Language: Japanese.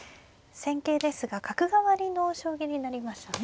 戦型ですが角換わりの将棋になりましたね。